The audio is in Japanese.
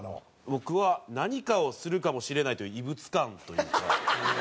僕は「何かをするかもしれないという異物感」というか。